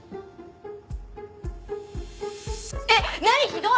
えっ何ひどい！